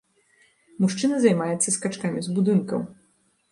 Мужчына займаецца скачкамі з будынкаў.